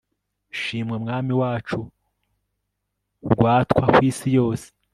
r/ shimwa mwami wacu, rwatwa ku isi yose